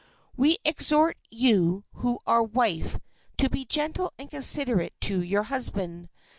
We exhort you who are wife to be gentle and considerate to your husband.